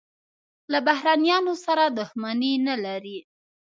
له بهرنیانو سره دښمني نه لري.